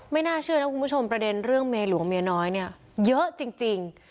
น่าเชื่อนะคุณผู้ชมประเด็นเรื่องเมียหลวงเมียน้อยเนี่ยเยอะจริง